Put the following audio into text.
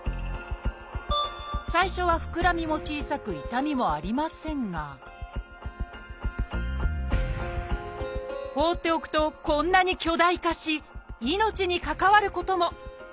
最初はふくらみも小さく痛みもありませんが放っておくとこんなに巨大化し命に関わることも。